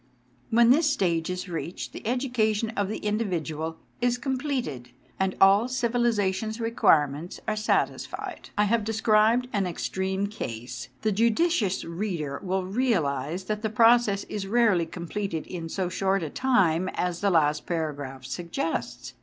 When this stage is reached the education of the individual is completed, and all civilisa tion's requirements are satisfied. I have described an extreme case, and the judicious reader will realise that the process is rarely completed in so short a time as the last paragraph suggests.